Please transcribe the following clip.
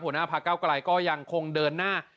หัวหน้าภาคเก้ากะลายก็ยังคงเดินหน้า